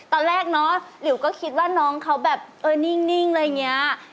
ตอนแรกเนาะหลิวก็คิดว่าน้องเขาแบบเออนิ่งอะไรอย่างนี้